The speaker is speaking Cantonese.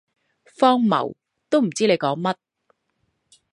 荒謬，都唔知你講乜